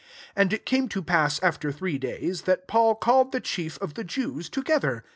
17 And i^ came to pass, after three days, that Paul called the chief of the Jews together.